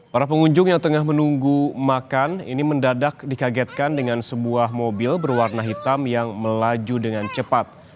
para pengunjung yang tengah menunggu makan ini mendadak dikagetkan dengan sebuah mobil berwarna hitam yang melaju dengan cepat